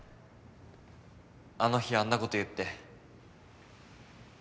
あの日あんなこと言って。